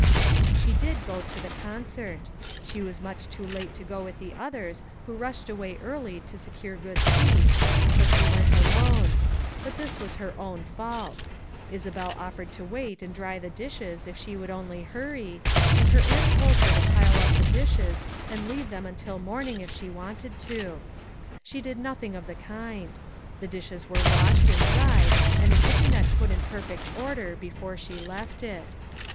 " She did go to the concert. She was much too late to go with the others who rushed away early to secure good seats, so she went alone; but this was her own fault Isabel offered to wait and dry the dishes if she would only hurry, and her aunt told her to pile up the dishes and leave them until morning if she wanted to. She did nothing of the kind; the dishes were washed and dried and the kitchenette put in perfect order before she left it.